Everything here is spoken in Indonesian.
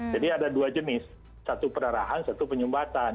jadi ada dua jenis satu pendarahan satu penyumbatan